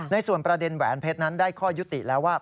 ในส่วนประเด็นแหวนเพชรนั้นได้ข้อยุติแล้วว่า